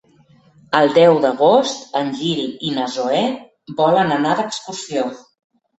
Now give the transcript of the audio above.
El deu d'agost en Gil i na Zoè volen anar d'excursió.